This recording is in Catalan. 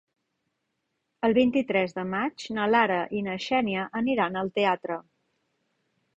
El vint-i-tres de maig na Lara i na Xènia aniran al teatre.